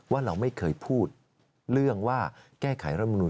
ว่าเราไม่เคยพูดเรื่องว่าแก้ไขรัฐมนุน